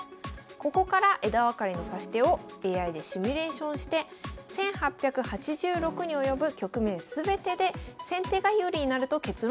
ここから枝分かれの指し手をＡＩでシミュレーションして１８８６に及ぶ局面全てで先手が有利になると結論づけられたというんです。